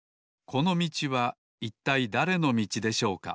このみちはいったいだれのみちでしょうか？